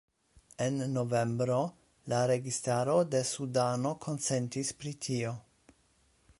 En novembro la registaro de Sudano konsentis pri tio.